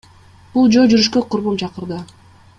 Бул жөө жүрүшкө курбум чакырды.